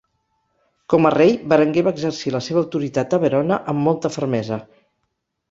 Com a rei, Berenguer va exercir la seva autoritat a Verona amb molta fermesa.